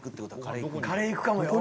カレーいくかもよ。